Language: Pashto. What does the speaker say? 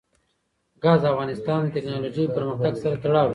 ګاز د افغانستان د تکنالوژۍ پرمختګ سره تړاو لري.